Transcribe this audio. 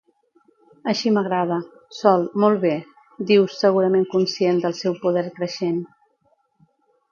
Així m'agrada, Sol, molt bé —diu, segurament conscient del seu poder creixent—.